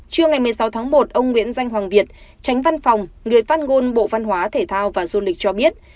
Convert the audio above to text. trưa ngày một mươi sáu tháng một ông nguyễn danh hoàng việt tránh văn phòng người phát ngôn bộ văn hóa thể thao và du lịch cho biết